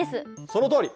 そのとおり！